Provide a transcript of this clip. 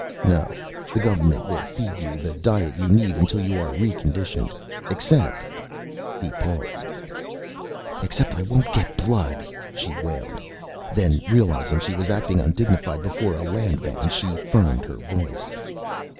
"No. The government will feed you the diet you need until you are re conditioned. Except...." He paused. "Except I won't get blood," she wailed. Then, realizing she was acting undignified before a Landman, she firmed her voice.